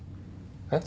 えっ？